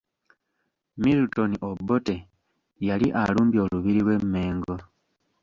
Milton Obote yali alumbye olubiri lw'e Mmengo.